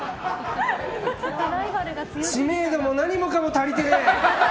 知名度も何もかも足りてねえ！